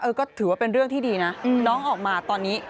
ก็ถือว่าเป็นเรื่องที่ดีนะน้องออกมาตอนนี้